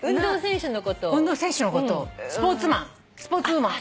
スポーツマン。